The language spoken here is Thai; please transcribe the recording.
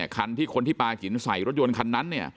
คันที่คนที่ปลาหินใส่รถยนต์คันนั้น